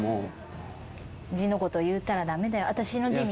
字のこと言ったら駄目だよ。